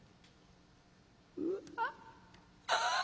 うわあぁ。